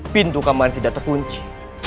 pintu kamarnya tidak terkunci